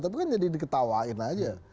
tapi kan jadi diketawain aja